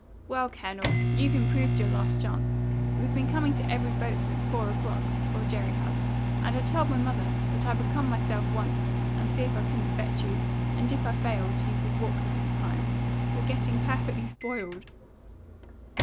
"Well, Colonel, you've improved your last chance. We've been coming to every boat since four o'clock, or Jerry has, and I told mother that I would come myself once, and see if I couldn't fetch you; and if I failed, you could walk next time. You're getting perfectly spoiled."